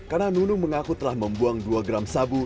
karena nunung mengaku telah membuang dua gram sabu